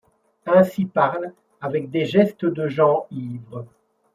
Ainsi parlent, avec des gestes de gens ivres